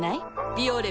「ビオレ」